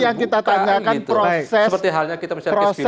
mas ali yang kita tanyakan proses kpk ini